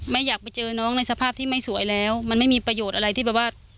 อยากไปเจอน้องในสภาพที่ไม่สวยแล้วมันไม่มีประโยชน์อะไรที่แบบว่า